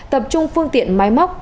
tập trung phương tiện máy móc